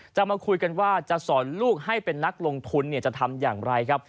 มาคุยกันว่าจะสอนลูกให้เป็นนักลงทุนจะทำอย่างไรครับ